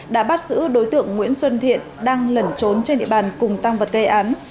đã bắt giữ đối tượng nguyễn xuân thiện đang lẩn trốn trên địa bàn cùng tăng vật gây án